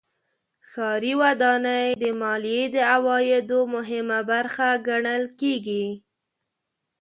ښاري ودانۍ د مالیې د عوایدو مهمه برخه ګڼل کېږي.